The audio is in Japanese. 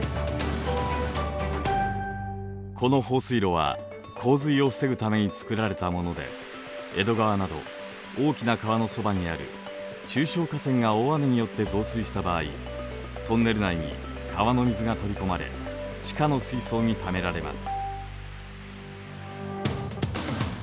この放水路は洪水を防ぐためにつくられたもので江戸川など大きな川のそばにある中小河川が大雨によって増水した場合トンネル内に川の水が取り込まれ地下の水槽にためられます。